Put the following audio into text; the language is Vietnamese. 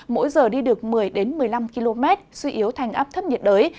mỗi giờ đi được một mươi một mươi năm km suy yếu thành áp thấp nhiệt đới